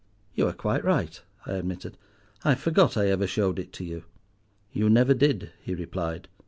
"You are quite right," I admitted. "I forgot I ever showed it to you." "You never did," he replied.